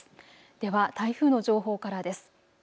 では台風の情報からです。